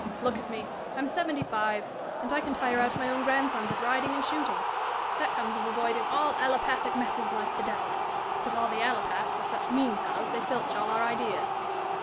"Look at me; I'm seventy five, and I can tire out my own grandsons at riding and shooting. That comes of avoiding all allopathic messes like the devil. But the allopaths are such mean fellows they filch all our ideas."